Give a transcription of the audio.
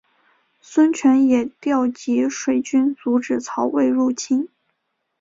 孙权也调集水军阻止曹魏入侵。